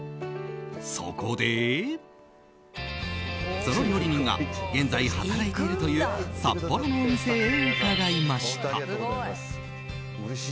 そこで、その料理人が現在働いているという札幌のお店へ伺いました。